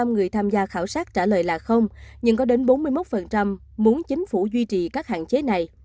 tám mươi người tham gia khảo sát trả lời là không nhưng có đến bốn mươi một muốn chính phủ duy trì các hạn chế này